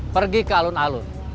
pergi ke alun alun